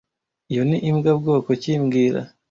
Iyo ni imbwa bwoko ki mbwira